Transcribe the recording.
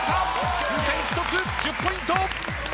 風船１つ１０ポイント。